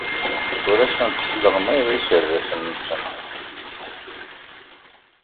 Ur asent-sleɣmayeɣ iserdasen-nsent.